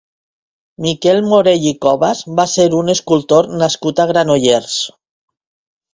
Miquel Morell i Covas va ser un escultor nascut a Granollers.